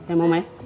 eh mama eh